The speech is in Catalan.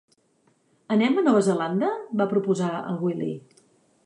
Anem a Nova Zelanda? —va proposar el Willy.